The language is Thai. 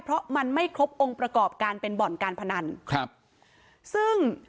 เพราะมันไม่ครบองค์ประกอบการเป็นบ่อนการพนันครับซึ่ง